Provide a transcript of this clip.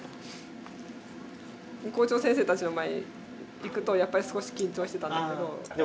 校長先生たちの前に行くとやっぱり少し緊張してたんだけど。